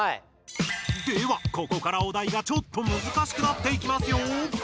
ではここからお題がちょっとむずかしくなっていきますよ！